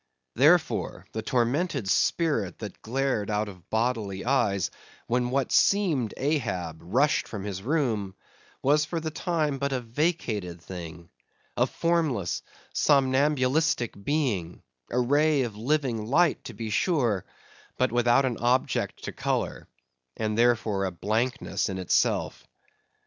Therefore, the tormented spirit that glared out of bodily eyes, when what seemed Ahab rushed from his room, was for the time but a vacated thing, a formless somnambulistic being, a ray of living light, to be sure, but without an object to colour, and therefore a blankness in itself.